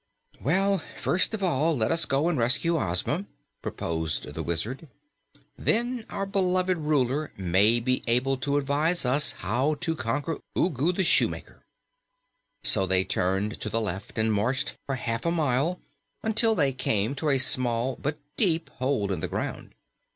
"Well, first of all, let us go and rescue Ozma," proposed the Wizard. "Then our beloved Ruler may be able to advise us how to conquer Ugu the Shoemaker." So they turned to the left and marched for half a mile until they came to a small but deep hole in the ground.